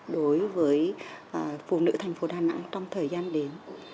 đối với phụ nữ thành phố đà nẵng trong thời gian đến